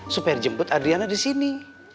supaya jemput adriana di sini